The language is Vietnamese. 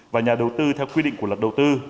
và nhà đầu tư theo quy định của luật đầu tư